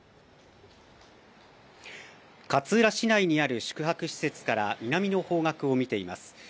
勝浦市内にある宿泊施設から南の方角を見ています。